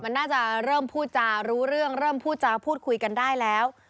มันน่าจะเริ่มพูดจารู้เรื่องเริ่มพูดจาพูดคุยกันได้แล้ว